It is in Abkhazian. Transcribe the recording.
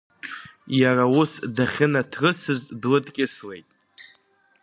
Иара ус дахьынаҭрысыз длыдкьыслеит.